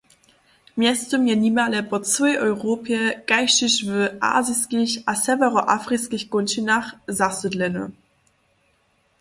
Mjeztym je nimale po cyłej Europje kaž tež w aziskich a sewjeroafriskich kónčinach zasydleny.